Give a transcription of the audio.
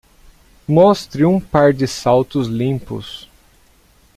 Mostre um par de saltos limpos.